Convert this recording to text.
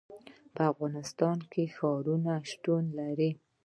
په افغانستان کې ښارونه شتون لري.